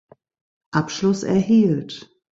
Abschluss erhielt.